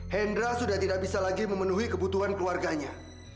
hendra sudah tidak bisa lagi memenuhi kebutuhan keluarganya